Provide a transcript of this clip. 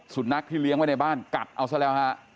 สุนัขที่เลี้ยงไว้ในบ้านกัดเอาซะแล้วฮะ